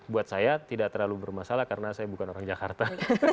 buat saya tidak terlalu bermasalah karena saya bukan orang jakarta